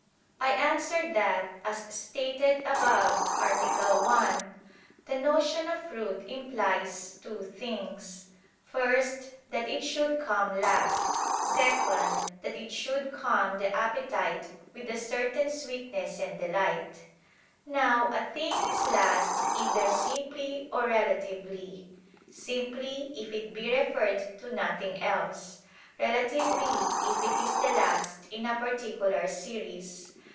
I answer that, As stated above (A. 1) the notion of fruit implies two things: first that it should come last; second, that it should calm the appetite with a certain sweetness and delight. Now a thing is last either simply or relatively; simply, if it be referred to nothing else; relatively, if it is the last in a particular series.